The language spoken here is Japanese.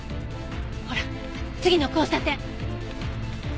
ほら次の交差点！